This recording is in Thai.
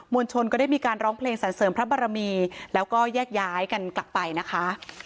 ลชนก็ได้มีการร้องเพลงสรรเสริมพระบรมีแล้วก็แยกย้ายกันกลับไปนะคะ